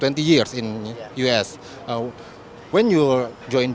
ketika awak berubah ke amerika serikat